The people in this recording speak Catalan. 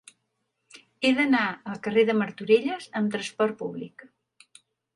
He d'anar al carrer de Martorelles amb trasport públic.